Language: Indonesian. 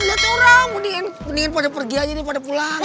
liat orang mendingan pada pergi aja nih pada pulang ya